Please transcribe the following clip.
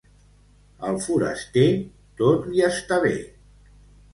Al foraster, tot li està bé.